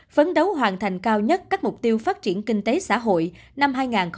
phấn đấu hoàn thành cao nhất các mục tiêu phát triển kinh tế xã hội năm hai nghìn hai mươi